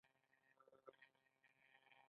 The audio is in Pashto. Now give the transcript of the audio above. آیا کاغذ له بهر راځي؟